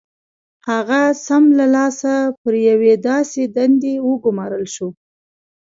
هغه سم له لاسه پر یوې داسې دندې وګومارل شو